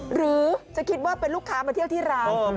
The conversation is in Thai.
หรือจะคิดว่าเป็นลูกค้ามาเที่ยวที่ร้าน